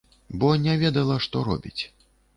Бо не ведала, што робіць.